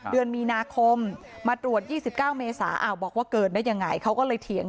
เดือนมีนาคมมาตรวจ๒๙เมษาบอกว่าเกิดได้ยังไงเขาก็เลยเถียง